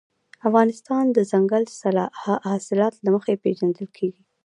افغانستان د دځنګل حاصلات له مخې پېژندل کېږي.